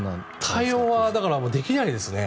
対応はできないですね。